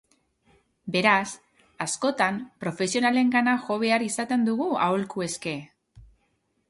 Beraz, askotan profesionalengana jo behar izaten dugu aholku eske.